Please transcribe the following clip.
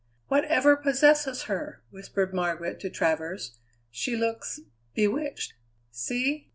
"Whatever possesses her?" whispered Margaret to Travers; "she looks bewitched. See!